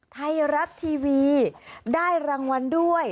ไทยรัฐทีวีได้รางวัลด้วย